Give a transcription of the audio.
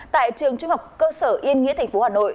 tại trường trung học cơ sở yên nghĩa tp hà nội